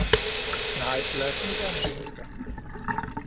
Nej, lad os nu være mennesker!"